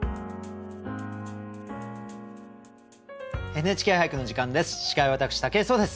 「ＮＨＫ俳句」の時間です。